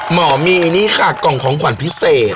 หมอมีนี่ค่ะกล่องของขวัญพิเศษ